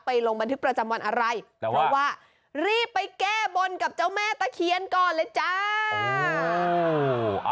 ลงบันทึกประจำวันอะไรเพราะว่ารีบไปแก้บนกับเจ้าแม่ตะเคียนก่อนเลยจ้า